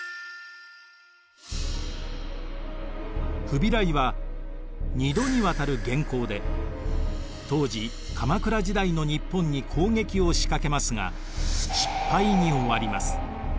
フビライは２度にわたる元寇で当時鎌倉時代の日本に攻撃を仕掛けますが失敗に終わります。